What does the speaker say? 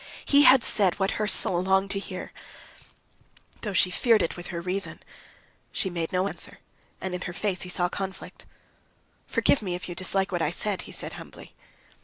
He had said what her soul longed to hear, though she feared it with her reason. She made no answer, and in her face he saw conflict. "Forgive me, if you dislike what I said," he said humbly.